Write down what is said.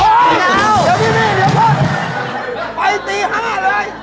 เดี๋ยวพี่เดี๋ยวพ่อไปตี๕เลย